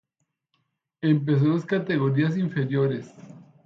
Empezó en las categorías inferiores.